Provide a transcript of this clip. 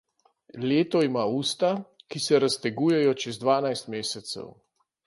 Leto ima usta, ki se raztegujejo čez dvanajst mesecev.